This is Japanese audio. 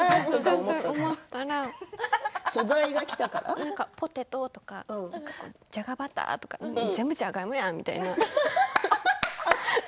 そうそうポテトとかじゃがバターとか全部じゃがいもやんみたいな。